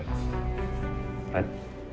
pak fajar silakan duduk